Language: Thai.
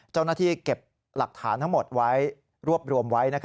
เจ้าหน้าที่เก็บหลักฐานทั้งหมดไว้รวบรวมไว้